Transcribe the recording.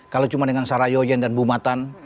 kalau cuma dengan sarah yoyin dan bu matan